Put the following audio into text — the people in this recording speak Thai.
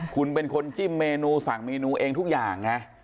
คุณเป็นคนจิ้มเมนูสั่งเมนูเองทุกอย่างนะ